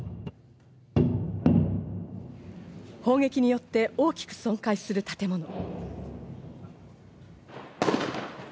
砲撃によって大きく損壊する建物。